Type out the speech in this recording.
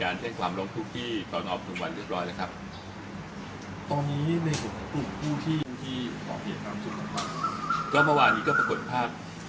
แล้วก็มีการ